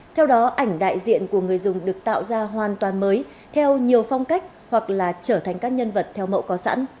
theo đó ảnh đại diện của người dùng được tạo ra hoàn toàn mới theo nhiều phong cách hoặc là trở thành các nhân vật theo mẫu có sẵn